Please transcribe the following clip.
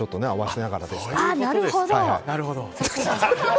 なるほど！